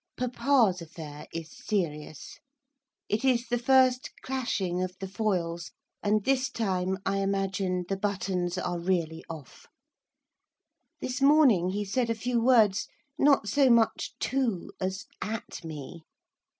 Papa's affair is serious. It is the first clashing of the foils, and this time, I imagine, the buttons are really off. This morning he said a few words, not so much to, as at me.